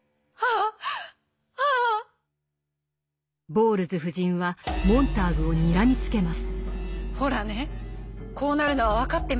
ボウルズ夫人はモンターグをにらみつけます。